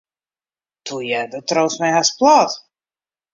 Toe ju, do triuwst my hast plat.